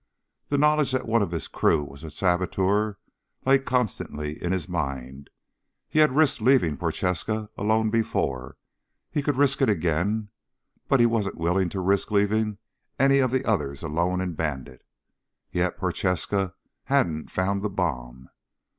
The knowledge that one of his crew was a saboteur lay constantly in his mind. He had risked leaving Prochaska alone before, he could risk it again, but he wasn't willing to risk leaving any of the others alone in Bandit. Yet, Prochaska hadn't found the bomb!